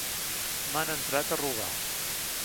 M'han entrat a robar.